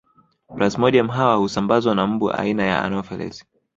Plasmodium hawa husambazwa na mbu aina ya Anofelesi